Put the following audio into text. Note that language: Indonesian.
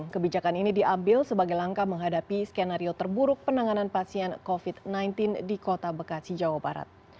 kebijakan ini diambil sebagai langkah menghadapi skenario terburuk penanganan pasien covid sembilan belas di kota bekasi jawa barat